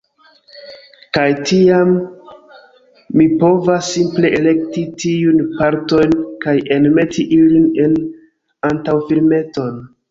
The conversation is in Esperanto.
Kaj tiam, mi povas simple elekti tiujn partojn, kaj enmeti ilin en antaŭfilmeton.